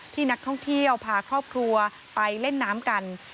ที่นักท่องเที่ยวพาครอบครัวไปเล่นน้ำกัน